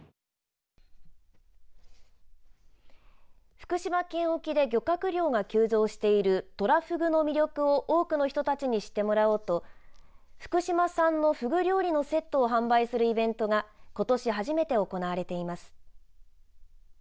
福島県沖で漁獲量が急増しているトラフグの魅力を多くの人たちに知ってもらおうと福島産のフグ料理のセットを販売するイベントがことし初めて行われています。